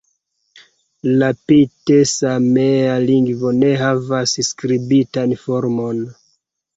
La pite-samea lingvo ne havas skribitan formon.